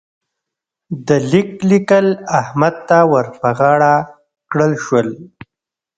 د ليک لیکل احمد ته ور پر غاړه کړل شول.